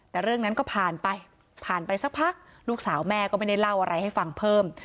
แต่เรื่องนั้นก็ผ่านไปผ่านไปสักพักลูกสาวแม่ก็ไม่ได้เล่าอะไรให้ฟังเพิ่ม